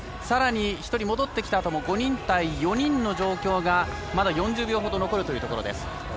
さらに１人戻ってきたあとも５人対４人の状況がまだ４０秒ほど残るというところ。